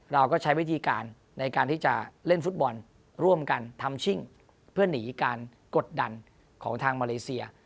เราก็ใช้วิธีการในการที่จะเล่นฟุตบอลร่วมกันทำชิ่งเพื่อหนีการกดดันของทางมาเลเซีย